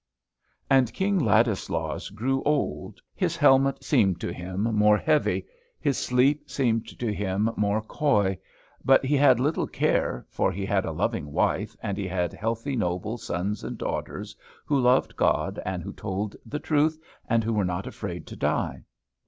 And King Ladislaus grew old. His helmet seemed to him more heavy. His sleep seemed to him more coy. But he had little care, for he had a loving wife, and he had healthy, noble sons and daughters, who loved God, and who told the truth, and who were not afraid to die.